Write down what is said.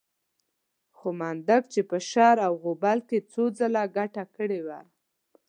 خو منډک چې په شر او غوبل کې څو ځله ګټه کړې وه.